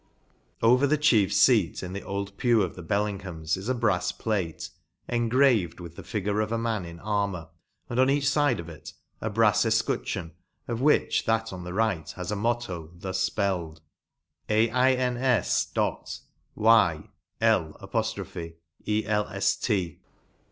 Over the chief feat in the old pew of the Bellinghams is a brafs plate, engraved with the figure of a man in armour, and, on each fide of it, a brafs efcutcheon, of which that on the right has a motto thus 7 fpdled, ENGLAND. 209 fpelled, Aim. y Ueft.